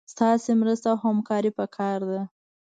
ستاسي مرسته او همکاري پکار ده